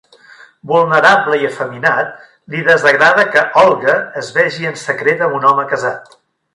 Vulnerable i efeminat, li desagrada que Olga es vegi en secret amb un home casat.